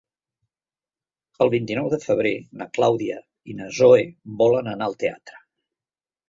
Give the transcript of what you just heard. El vint-i-nou de febrer na Clàudia i na Zoè volen anar al teatre.